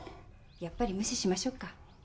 やっぱり無視しましょうか。